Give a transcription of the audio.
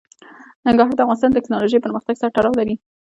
ننګرهار د افغانستان د تکنالوژۍ پرمختګ سره تړاو لري.